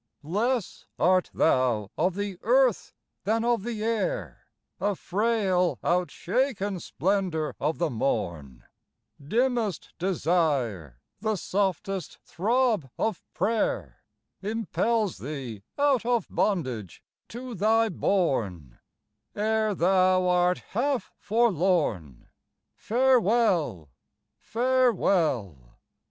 Less art thou of the earth than of the air, A frail outshaken splendor of the morn; Dimmest desire, the softest throb of prayer, Impels thee out of bondage to thy bourn: Ere thou art half forlorn, Farewell, farewell!